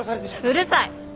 うるさい！